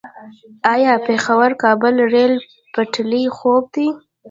آیا د پیښور - کابل ریل پټلۍ خوب دی؟